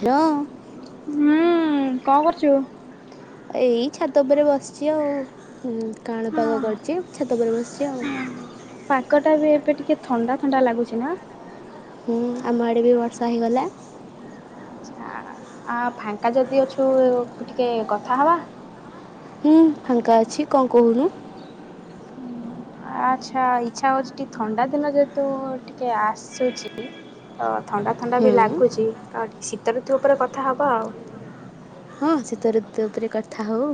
Hello. ହୁଁ କଣ କରୁଚୁ। ଏଇ ଛାତ ଉପରେ ବସିଛି ଆଉ ହୁଁ କାଆଁଳ ପାଗ ହଁ। କରିଛି ଛାତ ଉପରେ ବସିଛି ଆଉ। ପାଗଟା ବି ଏବେ ଟିକେ ଥଣ୍ଡା ଥଣ୍ଡା ଲାଗୁଚି ନା। ହୁଁ ଆମ ଆଡ଼େ ବି ବର୍ଷା ହେଇଗଲା। ଆ ଫାଙ୍କା ଯଦି ଅଛୁ ଟିକେ କଥା ହବା। ହୁଁ ଫାଙ୍କା ଅଛି କଁ କହୁନୁ। ଆଚ୍ଛା ଇଚ୍ଛା ହଉଛି ଟିକେ ଥଣ୍ଡା ଦିନ ଯେହେତୁ ଟିକେ ଆସୁଛି। ତ ଥଣ୍ଡା ଥଣ୍ଡା ହୁଁ ବି ଲାଗୁଛି ଆଉ ଟିକେ ଶୀତ ଋତୁ ଉପରେ କଥା ହବ ଆଉ। ହଁ ଶୀତ ଋତୁ ଉପରେ କଥା ହଉ।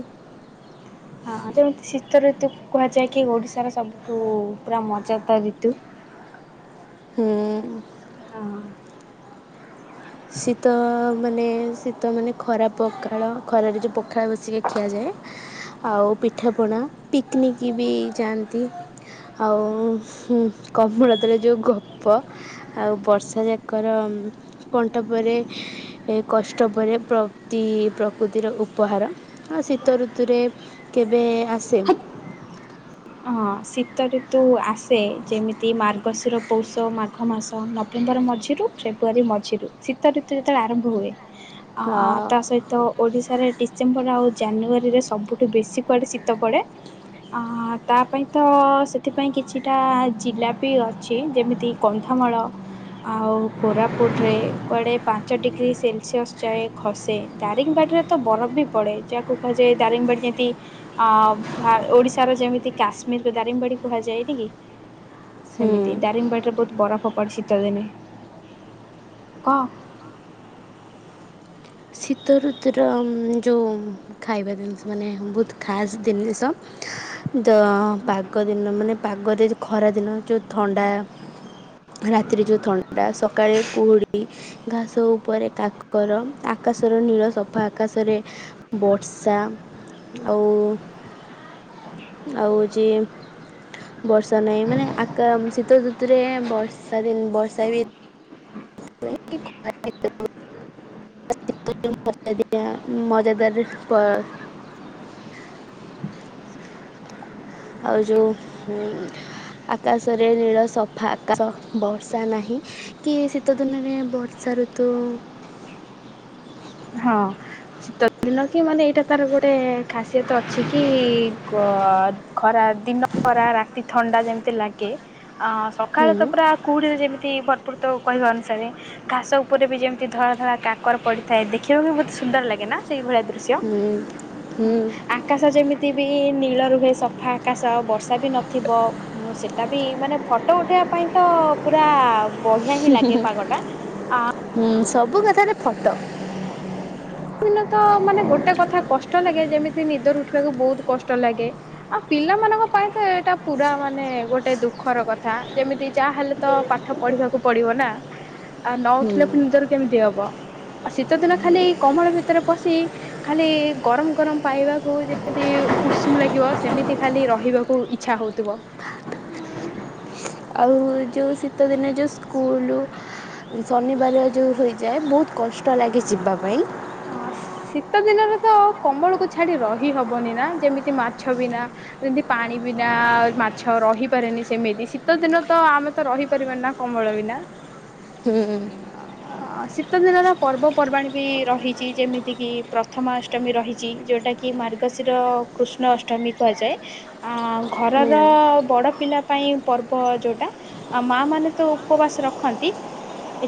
ହଁ ଯେମିତି ଶୀତ ଋତୁ କୁହାଯାଏ କି ଓଡିଶାର ସବୁଠୁ ପୁରା ମଜାଦାର ଋତୁ। ହୁଁ। ହଁ ଶୀତ ମାନେ ଶୀତ ମାନେ ଖରା ପଖାଳ ଖରାରେ ଯେଉଁ ପଖାଳ ବସିକି ଖିଆଯାଏ। ଆଉ ପିଠାପଣା ପିକ୍ନିକ ବି ଯାଆନ୍ତି। ଆଉ କମଳତଳେ ଯୋଉ ଗପ। ଆଉ ବର୍ଷା ଯାକର ତାପରେ। ଏ କଷ୍ଟ ପରେ ପ୍ରତି ପ୍ରକୃତିର ଉପହାର ଆ ଶୀତ ଋତୁରେ କେବେ ଆସେ। ହଁ ଶୀତଋତୁ ଆସେ ଯେମିତି ମାର୍ଗଶିର ପୌଷ ମାଘ ମାସ ନଭେମ୍ବର ମଝିରୁ। ଫେବୃଆରୀ ମଝିରୁ ଶୀତ ଋତୁ ଯେତେବେଳେ ଆରମ୍ଭ ହୁଏ ତା ହଁ ସହିତ। ଓଡ଼ିଶାରେ ଡିସେମ୍ବର ଆଉ ଜାନୁଆରୀରେ ସବୁଠୁ ବେଶୀ କୁଆଡ଼େ ଶୀତ ପଡ଼େ। ଅଁ ତା। ତା ପାଇଁ ତ ସେଥିପାଇଁ କିଛିଟା ଜିଲ୍ଲା ବି ଅଛି ଯେମିତି କନ୍ଧମାଳ। ଆଉ କୋରାପୁଟରେ କୁଆଡ଼େ ପାଞ୍ଚ ଡିଗ୍ରୀ ସେଲସିଅସ୍ ଯାଏ ଖସେ। ଦାରିଙ୍ଗବାଡ଼ିରେ ତ ବରଫ ବି ପଡ଼େ ଯାହାକୁ କୁହାଯାଏ ଦାରିଙ୍ଗବାଡ଼ି ଯେମିତି। ଅ ଓଡିଶାର ଯେମିତି କାଶ୍ମୀରକୁ ଦାରିଙ୍ଗବାଡି କୁହାଯାଏନି କି। ସେମିତି ଦାରିଙ୍ଗବାଡ଼ିରେ ବହୁତ ବରଫ ପଡ଼ି ଶୀତ ଦିନେ। ଶୀତ ଋତୁୁର ଯୋଉ। ଖାଇବା ଜିନିଷ ମାନେ ବହୁତ ଖାସ୍ ଜିନିଷ। ତ ପାଗ ଦିନ ମାନେ ପାଗରେ ଖରାଦିନ ଯୋଉ ଥଣ୍ଡା। ରାତିରେ ଯୋଉ ଥଣ୍ଡାଟା ସକାଳେ କୁହୁଡ଼ି ଘାସ ଉପରେ କାକର। ଆକାଶର ନୀଳ ସଫା ଆକାଶରେ ବର୍ଷା। ଆଉ ଆଉ ହଉଚି। ବର୍ଷା ନାହିଁ ମାନେ ଆକା ଶୀତ ଋତୁରେ ବର୍ଷା ଦିନ ବର୍ଷା ବି [unintelligible] [inaudible] ମଜାଦାର ଆଉ ଯୋଉ ହୁଁ। ଆକାଶରେ ନୀଳ ସଫା ଆକାଶ ବର୍ଷା ନାହିଁ। କି ଶୀତ ଦିନରେ ବର୍ଷା ଋତୁ। ହଁ ଶୀତ ଦିନ କି ମାନେ ଏଇଟା ତାର ଗୋଟେ ଖାସି୍ୟତ ଅଛି କି। ଖରା ଦିନ ଖରା ରାତି ଥଣ୍ଡା ଯେମିତି ଲାଗେ ଅଁ ହୁଁ ସକାଳ ତ ପୁରା କଉହୁଡ଼ିରେ ଯେମିତି ଭରପୁର ତ କହିବା ଅନୁସାରେ। ଘାସ ଉପରେ ବି ଯେମିତି ଧଳା ଧଳା କାକର ପଡିଥାଏ ଦେଖିବାକୁ ବି ବହୁତ ସୁନ୍ଦର ଲାଗେ ନା। ସେ ସେଇଭଳିଆ ଦୃଶ୍ୟ ଅ ହୁଁ ଆକାଶ ଯେମିତି ବି ନୀଳ ରୁହେ ସଫା ଆକାଶ ବର୍ଷା ବି ନଥିବ। ଉଁ ସେଇଟା ବି ମାନେ ଫଟୋ ଉଠେଇବା ପାଇଁ ତ ପୁରା ବଢ଼ିଆ ହିଁ ଲାଗେ ପାଗଟା। ଆ ହୁଁ ସବୁ କଥାରେ ଫଟୋ। ଦିନ ତ ମାନେ ଗୋଟେ କଥା କଷ୍ଟ ଲାଗେ ଯେମିତି ନିଦରୁ ଉଠିବାକୁ ବହୁତ କଷ୍ଟ ଲାଗେ। ଆଉ ପିଲାମାନଙ୍କ ପାଇଁ ତ ଏଇଟା ପୁରା ମାନେ ଗୋଟେ ଦୁଃଖର କଥା ଯେମିତି ଯାହା ହେଲେ ତ ପାଠ ପଢ଼ିବାକୁ ପଡ଼ିବ ନା। ଆଉ ନ ହୁଁ ଉଠିଲେ ପୁଣି ନିଦରୁ କେମିତି ହବ ଆଉ ଶୀତ ଦିନ ଖାଲି କମଳ ଭିତରେ ପଶି। ଖାଲି ଗରମ ଗରମ ପାଇବାକୁ ଯେମିତି ଉଷୁମ ଲାଗିବ ସେମିତି ଖାଲି ରହିବାକୁ ଇ ଇଚ୍ଛା ହଉଥିବ। ଆଉ ଯୋଉ ଶୀତଦିନେ ଯେଉଁ ସ୍କୁଲ। ଶନିବାର ଯେଉଁ ହୋଇଯାଏ ବହୁତ୍ କଷ୍ଟ ଲାଗେ ଯିବା ପାଇଁ। ହଁ ଶୀତ ଦିନରେତ କମ୍ବଳକୁ ଛାଡି ରହି ହବନିନା ଯେମିତି ମାଛ ବିନା ଯେମିତି ପାଣି ବିନା ମାଛ ରହିପାରେନି ସେମିତି ଶୀତଦିନରେତ ଆମେ ତ ରହିପାରିବାନିନା କମ୍ବଳ ବିନା। ହୁଁ। [inaudible] ଅଁ ଶୀତଦିନରେ ପର୍ବପର୍ବାଣିବି ରହିଚି ଯେମିତିକି ପ୍ରଥମା ଅଷ୍ଟମୀ ରହିଚି ଯୋଉଟା କି ମାର୍ଗଶିର କୃଷ୍ଣ ଅଷ୍ଟମୀ କୁହାଯାଏ। ଅଁ ଘରର ହୁଁ ବଡ଼ ପିଲା ପାଇଁ ପର୍ବ ଯୋଉଁଟା। ଆଉ ମାଆ ମାନେତ ଉପବାସ ରଖନ୍ତି।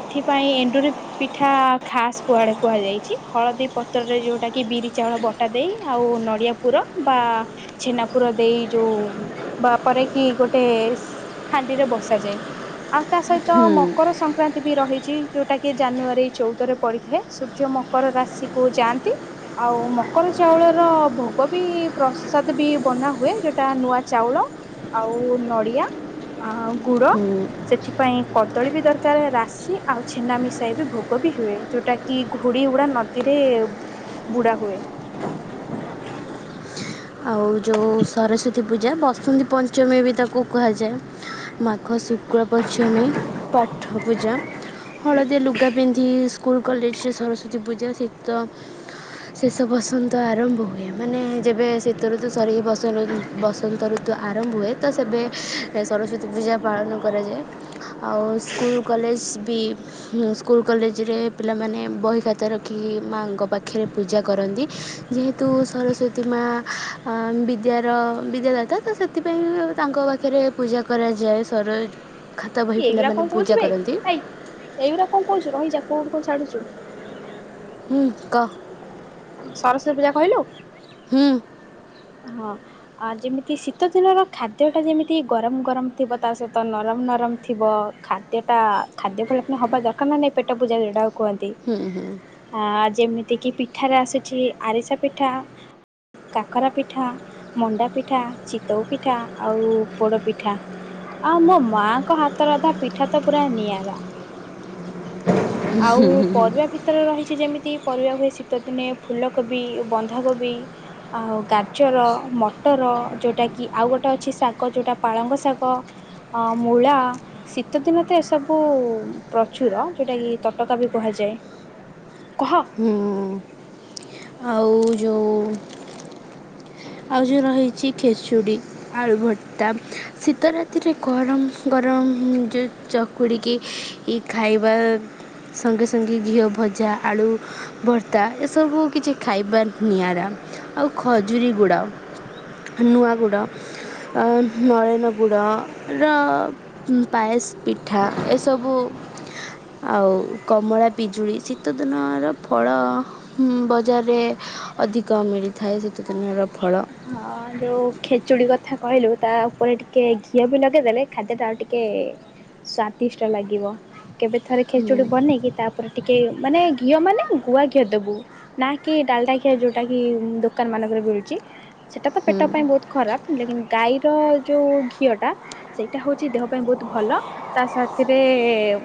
ଏଥିପାଇଁ ଏଣ୍ଡୁରି ପିଠା ଖାସ୍ କୁଆଡ଼େ କୁହାଯାଇଛି ହଳଦୀ ପତ୍ରରେ ଯୋଉଟାକି ବିରି ଚାଉଳ ବ ଅଟା ଦେଇ ଆଉ ନଡ଼ିଆ ପୁର ବା ଛେନାପୁର ଦେଇ ଯୋଉଁ ବାପରେ କି ଗୋଟେ ହାଣ୍ଡିରେ ବସାଯାଏ ଆଉତା ସହିତ ମକର ସଂକ୍ରାନ୍ତି ବି ରହି ଚି ଯୋଉଁଟାକି ଜାନୁଆରୀ ଚଉଦରେ ପଡ଼ିଥାଏ ସୂର୍ଯ୍ୟ ମକର ରାଶିକୁ ଯାଆନ୍ତି। ଆଉ ମକର ଚାଉଳର ଭୋଗବି ପ୍ରସାଦବି ବନାହୁଏ ଯୋଉଁଟା ନୂଆ ଚାଉଳ ଆଉ ନଡ଼ିଆ ଆ ଗୁଡ଼ ହୁଁ ସେଥିପାଇଁ କଦଳୀ ବି ଦରକାର୍ ରାଶି ଆଉ ଛେନା ମିଶାଇବି ଭୋଗବି ହୁଏ ଯୋଉଟାକିି ଘୁଡ଼ି ଉୁଡ଼ା ନଦୀରେ ବୁଢ଼ାହୁଏ। ଆଉ ଯେଉଁ ସରସ୍ଵତୀ ପୂଜା ବସନ୍ତୀ ପଞ୍ଚମୀବି ତାକୁ କୁହାଯାଏ। ମାଘ ଶୁକ୍ଳ ପଞ୍ଚମୀ ପାଠ ପୂଜା। ହଳଦିଆ ଲୁଗା ପିନ୍ଧି ସ୍କୁଲ୍ କଲେଜରେ ସରସ୍ଵତୀ ପୂଜା ସେ ତ ଶେଷ ବସନ୍ତ ଆରମ୍ଭ ହୁଏ ମାନେ ଯେବେ ଶୀ ତଋତୁ ସରି ବସନ ବସନ୍ତ ଋତୁ ଆରମ୍ଭ ହୁଏତ ସେବେ ସରସ୍ଵତୀ ସତୀ ପୂଜା ପାଳନ କରାଯାଏ ଆଉ ସ୍କୁଲ୍ କଲେଜ୍ ବି ହୁଁ ସ୍କୁଲ୍ କଲେଜରେ ପିଲାମାନେ ବହି ଖତା ରଖିକି ମାଆଙ୍କ ପାଖରେ ପୂଜା କରନ୍ତି। ଯେହେତୁ ସରସ୍ଵତୀ ମା ଅଁ ବିଦ୍ୟାର ବିଦ୍ୟାଦାତା ତ ସେଥିପାଇଁ ତାଙ୍କ କତିରେ ପୂଜା କରାଯାଏ ସର ଖାତା ବହି ପିଲାମାନେ ପୂଜା କରନ୍ତି। ଏଉରା କଣ କହୁଚୁ ରହିଯା କୋଉଠୁ କଣ ଛାଡ଼ୁଚୁ। ହୁଁ କହ? ସରସ୍ଵତୀ ପୂଜା କହିଲୁ? ହୁଁ। ହଁ। ଆ ଯେମିତି ଶୀତଦିନର ଖାଦ୍ୟଟା ଯେମିତି ଗରମ ଗରମ ଥିବ ତାସହିତ ନରମ ନରମ ଥିବ ଖା ଯେତେଟା ଖାଦ୍ୟଫଳ ହବା ଦରକାର୍ ନାହିଁ ପେଟ ପୂଜା ଯୋଉଟାକୁ କୁହନ୍ତି। ହୁଁ ହୁଁ। ହଁ ଯେମିତିକିି ପିଠାରେ ଆସିଛି ଆରିସା ପିଠା କାକେରା ପି ଠା ମଣ୍ଡା, ପିଠା ଚିତଉ, ପିଠା ଆଉ ପୋଡ଼, ପିଠା। ଆଉ ମୋ ମାଆଙ୍କ ହାତ ରନ୍ଧା ପିଠା ତ ପୁରା ନିଆରା। ଆଉ ପରିବା କି ଭିତରେ ରହିଚି ଯେମିତି ପରିବା ହୁଏ ଶୀତଦିନେ ଫୁଲକୋବି ବନ୍ଧାକୋବି ଆଉ ଗା ଜର ମଟର ଯୋଉଟାକି ଆଉ ଗୋଟେ ଅଛି ଶାଗ ଯୋଉଟା ପାଳଙ୍ଗ ଶାଗ। ହଁ ମୂଳା ଶୀତଦିନତ ଏସବୁ ପ୍ରଚୁର ଯୋଉଟାକି ତଟକାବି କୁହାଯାଏ। କହ ହୁଁ। ଆଉ ଯୋଉ ଆଉ ଯୋଉ ରହିଚି ଖେଚୁଡ଼ି। ଆଳୁ ଭର୍ତ୍ତା ଶୀତ ରାତିରେ ଗରମ ଗରମ ଯୋଉ ଚ କୁଡ଼ିକି ଇ ଖାଇବା ସଙ୍ଗେ ସଙ୍ଗେ ଘିଅ ଭଜା, ଆଳୁ ଭର୍ତ୍ତା ଏସବୁ କିଛି ଖାଇବା ନିଆରା। ଆଉ ଖଜୁରୀ ଗୁଡ। ନୂଆଗୁଡ ଅ ନରେନ ଗୁଡ଼ ର ଉଁ ପାଏସ ପିଠା ଏସବୁ ଆଉ କମଳା ପିଜୁଳି ଶୀତ ଦିନ ର ଫଳ ହମ୍ ବଜାରରେ ଅଧିକ ମିଳିଥାଏ ଶୀତଦିନର ଫଳ। ହଁ ଯୋଉ ଖେଚୁଡ଼ି କଥା କହିଲୁ ତା ଉପରେ ଟିକେ ଘିଅ ବି ଲଗେଇଦେଲେ ଖାଦ୍ୟଟା ଆଉ ଟିକେ ସ୍ଵାଦିଷ୍ଟ ଲାଗିବ କେବେ ଥରେ ଖେଚୁଡି ବନେଇକି ତା ଉପରେ ଟିକେ ମାନେ ଘିଅ ମାନେ ଗୁଆ ଘିଅ ଦବୁ। ନା କି ଡାଲଡା ଘିଅ ଯୋଉଟା କି ଦୋକାନ ମାନଙ୍କରେ ମିଳୁଛି। ସେଟା ତ ହୁଁ ପେଟ ପାଇଁ ବହୁତ ଖରାପ ହେଲେ କିନ୍ ଗାଈର ଯଉ ଘିଅଟା ସେଇଟା ହେଉଛି ଦେହ ପାଇଁ ବହୁତ ଭଲ। ତା ସାଥିରେ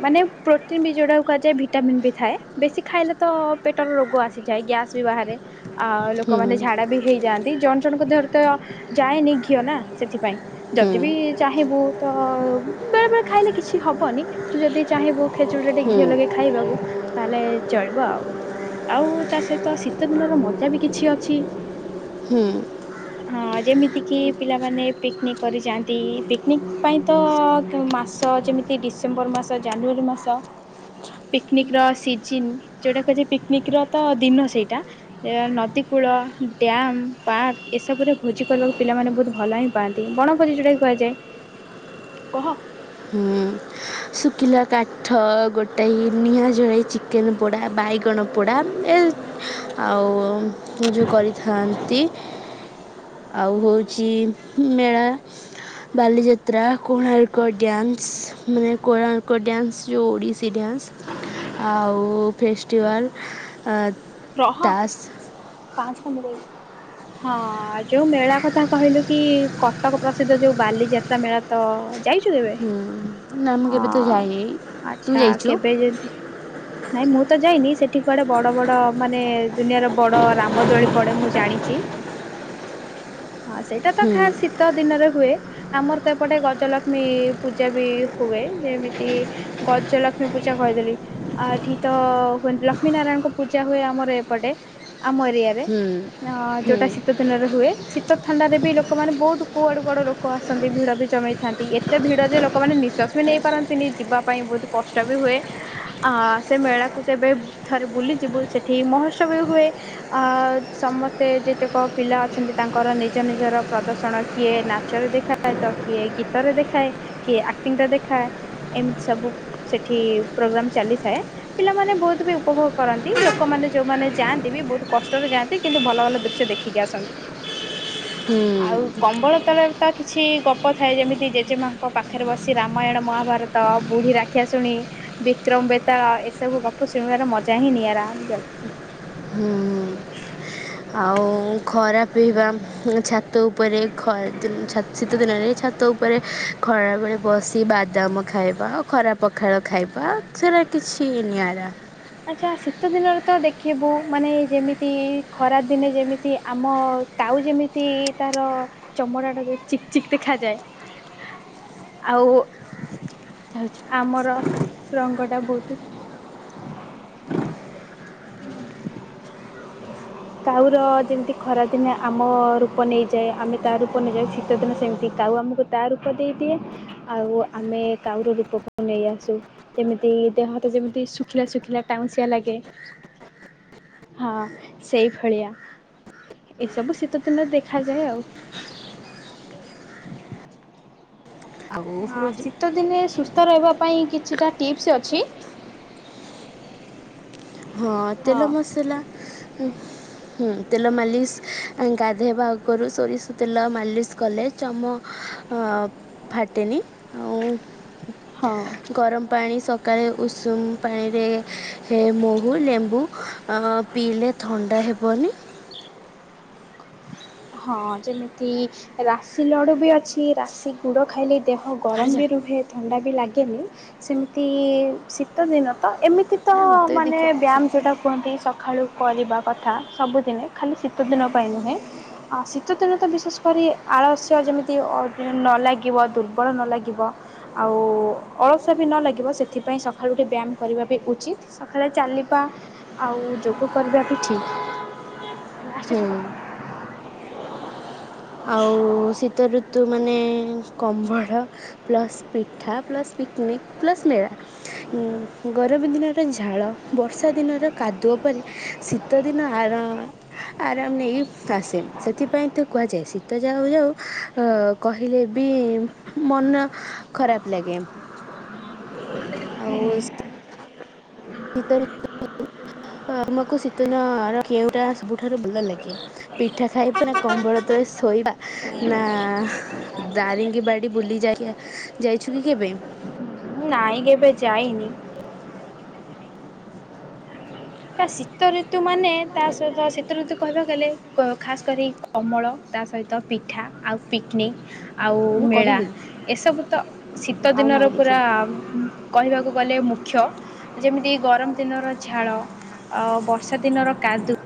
ମାନେ ପ୍ରୋଟିନ ବି ଯଉଟା କୁ କୁହାଯାଏ ଭିଟାମିନ୍ ବି ଥାଏ। ବେଶୀ ଖାଇଲେ ତ ପେଟର ରୋଗ ଆସିଯାଏ, ଗ୍ୟାସ୍ ବି ବାହାରେ, ଆ, ହୁଁ ଲୋକମାନେ ଝାଡା ବି ହେଇଯାଆନ୍ ଜଣ ଜଣଙ୍କ ଦେହରେ ତ ଯାଏନି ଘିଅ ନା ସେଥିପାଇଁ। ଯଦି ବିି ଚାହିଁବୁ ତ ବେଳେ ବେଳେ ଖାଇଲେ କିଛି ହବନି। ତୁ ଯଦି ଚାହିଁବୁ ଖେଚୁଡ଼ିରେ ଟିକେ ହୁଁ ଘିଅ ଲଗେଇ ଖାଇବାକୁ ତାହେଲେ ଚଳିବ ଆଉ। ଆଉ ତା ସହିତ ଶୀତ ଦିନର ମଜା ବି କିଛି ଅଛି। ହୁଁ। ହଁ ଯେମିତି କିି ପିଲାମାନେ ପିକ୍ ନିକ୍ କରି ଯାଆନ୍ତି ପିକ୍ ନିକ୍ ପାଇଁ ତ ମା ସ ଯେମିତି ଡିସେମ୍ବର ମାସ ଜାନୁଆରୀ ମାସ ପିକ୍ ନିକ୍ ର ସିଜିନ୍ ଯଉଟା କୁହାଯାଏ ପିକ୍ ନିକ୍ ର ତ ଦିନ ସେଇଟା ହେ ନଦୀ କୂଳ ଡ୍ୟାମ୍ ପାର୍କ ଏସବୁରେ ଭୋଜି କରିବାକୁ ପିଲାମାନେ ବହୁତ ଭଲ ହିଁ ପାଆନ୍ତି ବଣଭୋଜି ଯଉଟାକୁ କୁହାଯାଏ। କହ। ହୁଁ। ଶୁଖିଲା କାଠ ଗୋଟାଇ ନିଆଁ ଜଳେଇ ଚିକେନ ପୋଡ଼ା ବାଇଗଣ ପୋଡ଼ା ଏ ଆଉ ଯୋଉ କରିଥାନ୍ତି। ଆଉ ହଉଛି ମେଳା ବାଲିଯାତ୍ରା କୋଣାର୍କ ଡ୍ୟାନ୍ସ ମାନେ କୋଣାର୍କ ଡ୍ୟାନ୍ସ ଯୋଉ ଓଡ଼ିଶୀ ଡ୍ୟାନ୍ସ ଆଉ ଫେଷ୍ଟିଭାଲ। ଆ। ରହ ପାର୍ଷ୍ଟ ଟା ମୁଁ କହିବି। ହଁ ଯୋଉ ମେଳା କଥା କହିଲୁ କି କଟକ ପ୍ରସିଦ୍ଧ ଯୋଉ ବାଲିଯାତ୍ରା ମେଳା ତ ଯାଇଛୁ କେବେ ନା ମୁଁ ଆ କେବେ ତ ଯାଇନି ତୁ ଆଚ୍ଛା ଯାଇଛୁ କେବେ ଯଦି ନାଇଁ ମୁଁ ତ ଯାଇନି ସେଠି କୁଆଡେ ବଡ ବଡ ମାନେ ଦୁନିଆର ବଡ ରାମ ଦୋଳି ପଡେ ମୁଁ ଜାଣିଛି। ହଁ ସେଇଟା ତ ହୁଁ ଖାସ ଶୀତ ଦିନରେ ହୁଏ। ଆମର ତ ଏପଟେ ଗଜଲକ୍ଷ୍ମୀ ପୂଜା ବି ହୁଏ ଯେମିତି ଗଜ ଲକ୍ଷ୍ମୀ ପୂଜା କହିଦେଲି ଆ ଏଠି ତ ହୁଏନ୍ ଲକ୍ଷ୍ମୀ ନାରାୟଣଙ୍କ ପୂ ଜା ହୁଏ ଆମର ଏପଟେ ଆମ ଏରିଆରେ ହୁଁ ଅଂ ଯୋଉଟା ହୁଁ ଶୀ ଶୀତଦିନରେ ହୁଏ ଶୀତ ଥଣ୍ଡାରେ ବି ଲୋକମାନେ ବହୁତ କୁଆଡ଼ୁ କୁଆଡ଼ ଲୋକ ଆସନ୍ତି ଭିଡ଼ ବି ଜମେଇଥା ନ୍ତି ଏତେ ଭିଡ଼ ଯେ ଲୋକମାନେ ନିଶ୍ୱାସ ବି ନେଇପାରନ୍ତିନି ଯିବା ପାଇଁ ବହୁତ କଷ୍ଟ ବି ହୁଏ। ଆ ସେ ମେଳାକୁ କେବେ ଥରେ ବୁଲି ଯିବୁ ସେଠି ମହୋତ୍ସବ ବି ହୁଏ। ଅ ସମସ୍ତେ ଯେତେକ ପିଲା ଅଛନ୍ତି ତାଙ୍କର ନିଜ ନିଜର ପ୍ରଦର୍ଶନ କିଏ ନାଚରେ ଦେଖା ଖାଏ ତ କିଏ ଗୀତରେ ଦେଖାଏ କିଏ ଆକ୍ଟିଂରେ ଦେଖାଏ। ଏମିତି ସବୁ ସେଠି ପ୍ରୋଗ୍ରାମ ଚାଲିଥାଏ ପିଲାମାନେ ବହୁତ ବି ଉପଭୋଗ କରନ୍ ନ୍ତି ଲୋକମାନେ ଯୋଉମାନେ ଯାଆନ୍ତି ବି ବହୁତ କଷ୍ଟରେ ଯାଆନ୍ତି କିନ୍ତୁ ଭଲ ଭଲ ଦୃଶ୍ୟ ଦେଖିକି ଆସନ୍ତି। ଆଉ। ହୁଁ କମ୍ବଳ ତଳ ତ କିଛି ଗପ ଥାଏ ଯେମିତି ଜେଜେମାଙ୍କ ପାଖରେ ବସି ରାମାୟଣ ମହାଭାରତ ବୁଢ଼ୀ ରାକ୍ଷ ଶିକ୍ଷା ଶୁଣି ବିକ୍ରମ ବେତାଳ ଏସବୁ ଗପ ଶୁଣିବାର ମଜା ହିଁ ନିଆରା। ହୁଁ ଆଉ ଖରା ପିଇବା ଛାତ ଉପରେ ଖରା ଛା ଶୀ ଶୀତ ଦିନରେ ଛାତ ଉପ ଉପରେ ଖରାବେେଳେ ବସି ବାଦାମ ଖାଇବା ଆଉ ଖରା ପ ପଖାଳ ଖାଇବା ସେଟା କିଛି ନିଆରା। ଆଚ୍ଛା ଶୀତ ଦିନରେ ତ ଦେଖିବୁ ମାନେ ଯେମିତି ଖରାଦିନେ ଯେମିତି ଆମ କାଉ ଯେମିତି ତାର ଚମଡ଼ାଟା ଯେ ଚିକ୍ ଚିକ୍ ଦେଖାଯାଏ। ଆଉ ଆମର ରଙ୍ଗ ଟା ବହୁତ [inaudible] କାଉର ଯେମିତି ଖରାଦିନେ ଆମ ରୂପ ନେଇଯାଏ ଆମେ ତା ରୂପ ନେଇଯା ଶୀତଦିନେ ସେମିତି କାଉ ଆମକୁ ତା ରୂପ ଦେଇଦିଏ ଆଉ ଆମେ କାଉର ରୂପକୁ ନେଇ ଆସୁ। ଯେମିତି ଦେହ ତ ଯେମିତି ଶୁଖିଲା ଶୁଖିଲା ଟାଉଁସିିଆ ଲାଗେ। ହଁ ସେଇ ଭଳିଆ ଏସବୁ ଶୀତ ଦିନରେ ଦେଖାଯାଏ ଆଉ। ଆଉ ହଁ ହେଉଛି ଶୀତଦିନେ ସୁସ୍ଥ ରହିବା ପାଇଁ କିଛିଟା ଟିପ୍ସ ଅଛି। ହଁ ତେଲ ମସଲା ହୁଁ ତେଲ ମାଲିସ୍ ଗାଧୋଇବା ଆଗରୁ ସୋରିଷ ତେଲ ମାଲିସ୍ କଲେ ଚମ ଫାଟେନି ଆଉ ହଁ ଗରମ ପାଣି ସକାଳେ ଉଷୁମ ପାଣିରେ ହେ ମହୁ, ଲେମ୍ବୁ ପିଇଲେ ଥଣ୍ଡା ହେବନି। ହଁ ଯେମିତି ରାଶି ଲଡୁ ବି ଅଛି ରାଶି ଗୁଡ ଖାଇଲେ ଦେହ ଆଡ଼େ ଗରମ ଯା ବି ରୁହେ ଥଣ୍ଡା ବି ଲାଗେନି ସେମିତି ଶୀତଦିନ ତ ଏମିତି ତ ଯା ମୋତେ ବି ମାନେ ଦେଖିବାର ଅଛି ବ୍ୟାୟାମ ଯେଉଁଟା କୁହନ୍ତି ସକାଳୁ କରିବା କଥା ସବୁଦିନେ ଖାଲି ଶୀତଦିନ ପାଇଁ ନୁହେଁ ଆଉ ଶୀତଦିନ ତ ବିଶେଷ କରି ଆଳସ୍ୟ ଯେମିତି ନ ଲାଗିବ ଦୁର୍ବଳ ନ ଲାଗିବ ଆଉ ଅଳସୁଆ ବି ନ ଲାଗିବ ସେଥିପାଇଁ ସକାଳୁ ଉଠି ବ୍ୟାୟାମ କରିବା ବି ଉଚିତ୍। ସକାଳେ ଚାଲିବା ଆଉ ଯୋଗ କରିବା ବି ଠିକ୍। ହୁଁ ଆଉ ଶୀତଋତୁ ମାନେ କମ୍ବଳ ପ୍ଲସ ପିଠା ପ୍ଲସ୍ ପିକନିକ ପ୍ଲସ ମେଳା ଗରମ ଦିନରେ ଝାଳ ବର୍ଷା ଦିନର କାଦୁଅ ପରି ଶୀତ ଦିନର ଆଳ ହୁଁ ଆରାମ ନେଇକି ଆସେ ସେଥିପାଇଁ ତ କୁହାଯାଏ ଶ ତ ଯାଉ ଯାଉ କହିଲେ ବି ମନ ଖରାପ ଲାଗେ। ହଁ ବସ ଶୀତ ଋତୁ ଆମକୁ ଶୀତନ ର କେଉଁଟା ସବୁଠାରୁ ଭଲ ଲାଗେ? ପିଠା ଖାଇ ପୁ ନା କମ୍ବଳ ତଳେ ଶୋଇବା ନା ଦାରିଙ୍ଗୀ ବାଡ଼ି ବୁଲି ଯାଇ ଯାଇଛୁ କି କେବେ? ନାଇଁ କେବେ ଯାଇନି। କ ଶୀତ ଋତୁ ମାନେ ତା ସହିତ ଶୀତ ଋତୁ କହିବାକୁ ଗଲେ ଖାସ୍ କରି କମଳ ତା ସହିତ ପିଠା ଆଉ ପିକନିକ। ଆଉ ମୁଁ ମେଳା କହିଲି ଏସବୁ ତ ଶୀତ ଆଉ ଦିନର ନାହିଁ ପୁରା କିଛି କହିବାକୁ ଗଲେ ମୁଖ୍ୟ ଯେମିତି ଗରମ ଦିନର ଝାଳ ଅ ବର୍ଷା ଦିନର କାଦୁ